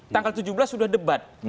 tanggal tujuh belas sudah debat